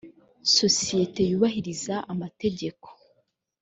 sosiyete yubahiriza amategeko.